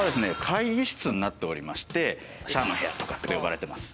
会議室になっておりましてシャアの部屋とかって呼ばれてます。